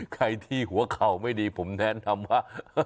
ใครที่หัวเข่าไม่ดีผมแนะนำว่า